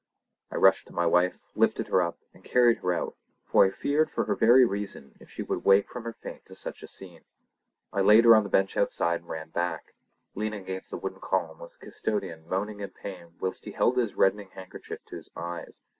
I rushed to my wife, lifted her up and carried her out, for I feared for her very reason if she should wake from her faint to such a scene. I laid her on the bench outside and ran back. Leaning against the wooden column was the custodian moaning in pain whilst he held his reddening handkerchief to his eyes.